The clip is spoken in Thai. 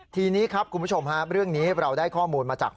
ทีนี้ครับคุณผู้ชมฮะเรื่องนี้เราได้ข้อมูลมาจาก